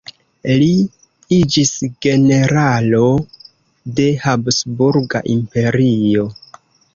Li iĝis generalo de Habsburga Imperio.